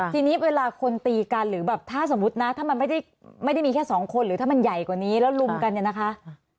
ทีนี้เวลาคนตีกันหรือแบบถ้าสมมุตินะถ้ามันไม่ได้มีแค่สองคนหรือถ้ามันใหญ่กว่านี้แล้วลุมกันเนี่ยนะคะ